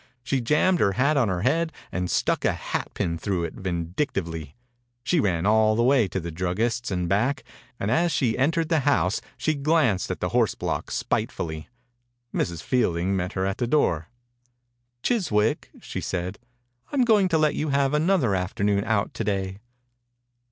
She jammed her hat on her head and stuck a hat pin through it vindictively. She ran all the way to the drug gist's and back, and as she en tered the house she glanced at the horse block spitefully. Mrs. Fielding met her at the door. "Chiswick,'* she said, "I'm going to let you have another afternoon out to day."